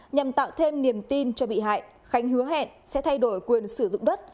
nhằm tạo thêm niềm tin cho bị hại khánh hứa hẹn sẽ thay đổi quyền sử dụng đất